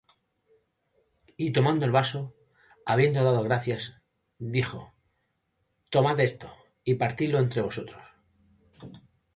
Y tomando el vaso, habiendo dado gracias, dijo: Tomad esto, y partidlo entre vosotros;